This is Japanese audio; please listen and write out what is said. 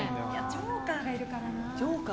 ジョーカーがいるからな。